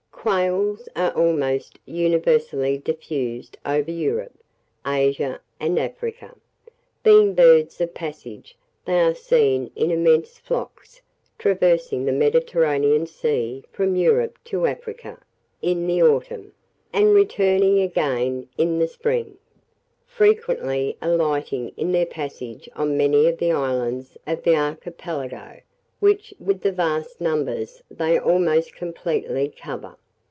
] THE QUAIL. Quails are almost universally diffused over Europe, Asia, and Africa. Being birds of passage, they are seen in immense flocks, traversing the Mediterranean Sea from Europe to Africa, in the autumn, and returning again in the spring, frequently alighting in their passage on many of the islands of the Archipelago, which, with their vast numbers, they almost completely cover.